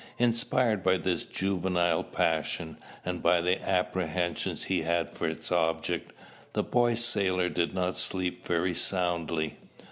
Inspired by this juvenile passion, and by the apprehensions he had for its object, the boy sailor did not sleep very soundly.